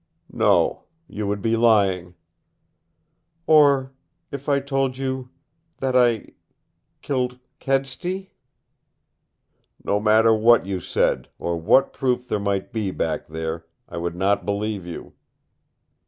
"No. You would be lying." "Or if I told you that I killed Kedsty?" "No matter what you said, or what proof there might be back there, I would not believe you."